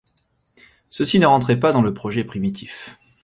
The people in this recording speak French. Ceci ne rentrait pas dans le projet primitif.